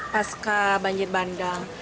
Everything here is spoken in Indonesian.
pasca banjir bandang